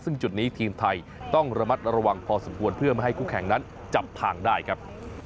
ซึ่งจุดนี้ทีมไทยต้องระมัดระวังพอสมควรเพื่อไม่ให้คู่แข่งนั้นจับทางได้ครับ